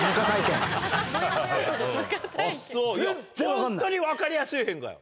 ホントに分かりやすい変化よ。